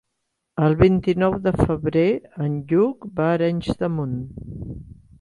El vint-i-nou de febrer en Lluc va a Arenys de Munt.